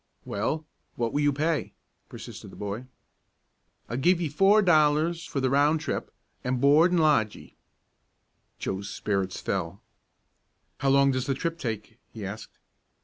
"Well, what will you pay?" persisted the boy. "I'll give ye four dollars for the round trip, an' board an' lodge ye." Joe's spirits fell. "How long does the trip take?" he asked.